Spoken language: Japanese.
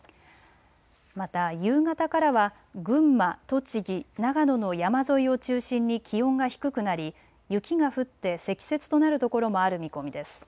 また夕方からは群馬、栃木、長野の山沿いを中心に気温が低くなり雪が降って積雪となるところもある見込みです。